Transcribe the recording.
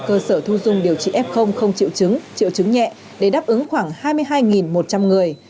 cơ sở thu dung điều trị f không triệu chứng triệu chứng nhẹ để đáp ứng khoảng hai mươi hai một trăm linh người